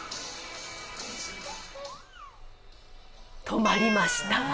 止まりました。